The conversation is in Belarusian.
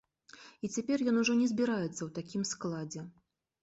І цяпер ён ужо не збіраецца ў такім складзе.